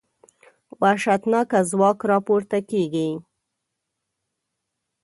وحشتناکه ځواک راپورته کېږي.